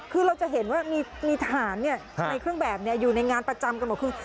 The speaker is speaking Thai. คือเราจะเห็นว่ามีทหารในเครื่องแบบอยู่ในงานประจำกันหมดคือ